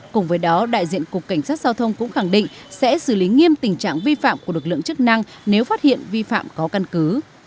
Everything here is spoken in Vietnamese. cùng với đó đại diện cục cảnh sát giao thông cũng khẳng định sẽ xử lý nghiêm tình trạng vi phạm của lực lượng chức năng nếu phát hiện vi phạm có căn cứ